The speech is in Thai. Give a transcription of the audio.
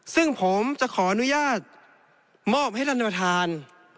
ซึ่งผมจะขออนุญาตมอบให้ท่านประธาน